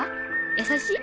優しい？